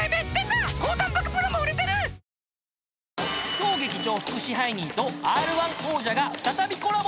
［当劇場副支配人とＲ−１王者が再びコラボ］